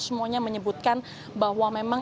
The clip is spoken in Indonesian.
semuanya menyebutkan bahwa memang